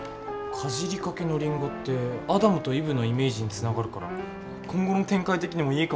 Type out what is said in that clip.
かじりかけのリンゴってアダムとイブのイメージにつながるから今後の展開的にもいいかもしれないな。